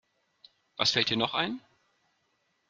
Was fällt dir noch ein?